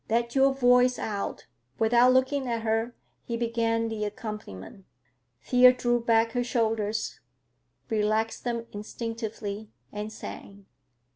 Let your voice out." Without looking at her he began the accompaniment. Thea drew back her shoulders, relaxed them instinctively, and sang.